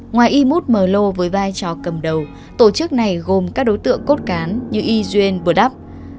ngoài imut mờ lô với vai trò cầm đầu tổ chức này gồm các đối tượng cốt cán như y juen burdap